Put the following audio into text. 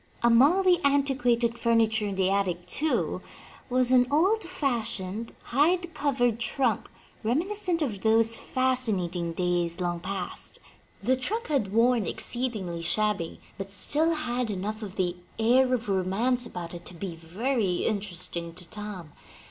Among the antiquated furniture in the attic, too, was an old fashioned, hide covered trunk, reminiscent of those fascinating days long past. The trunk had worn exceedingly shabby, but still had enough of the air of romance about it to be very inter esting to Tom.